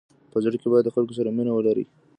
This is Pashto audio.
په زړه کي باید د خلکو سره مینه ولری.